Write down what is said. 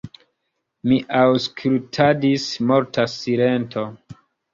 Mi aŭskultadis – morta silento.